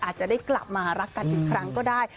อาจจะได้กลับมารักกันอีกครั้งก็ได้